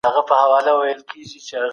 چارواکو به سیاسي ستونزي حل کولې.